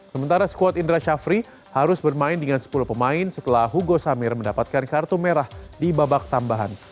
sementara squad indra syafri harus bermain dengan sepuluh pemain setelah hugo samir mendapatkan kartu merah di babak tambahan